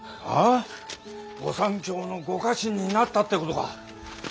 はぁ御三卿のご家臣になったってことか！